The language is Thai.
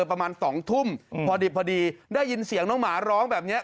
ประมาณ๒ทุ่มพอดิบพอดีได้ยินเสียงน้องหมาร้องแบบนี้